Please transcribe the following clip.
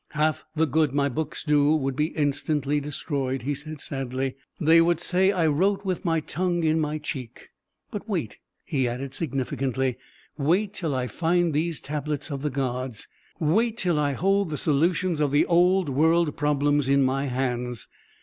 "Half the good my books do would be instantly destroyed," he said sadly; "they would say that I wrote with my tongue in my cheek. But wait," he added significantly; "wait till I find these Tablets of the Gods! Wait till I hold the solutions of the old world problems in my hands!